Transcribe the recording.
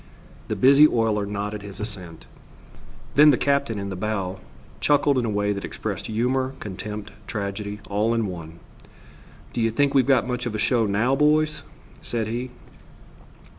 The busy oiler nodded his assent. Then the captain, in the bow, chuckled in a way that expressed humor, contempt, tragedy, all in one. "Do you think We've got much of a show now, boys?" said he.